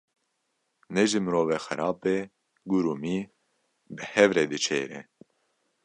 Ne ji mirovê xerab be, gur û mih bi hev re diçêre.